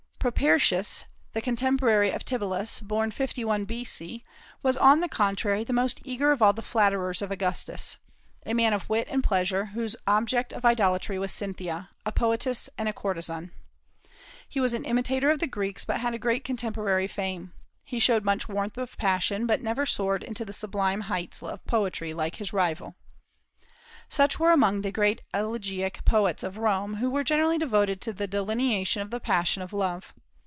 Propertius, the contemporary of Tibullus, born 51 B.C., was on the contrary the most eager of all the flatterers of Augustus, a man of wit and pleasure, whose object of idolatry was Cynthia, a poetess and a courtesan. He was an imitator of the Greeks, but had a great contemporary fame. He showed much warmth of passion, but never soared into the sublime heights of poetry, like his rival. Such were among the great elegiac poets of Rome, who were generally devoted to the delineation of the passion of love.